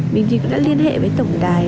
mình thì cũng đã liên hệ với tổng đài